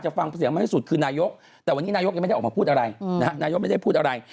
จะฟังเสียงมาให้สุดคือนายกแต่วันนี้นายกยังไม่ได้ออกมาพูดอะไร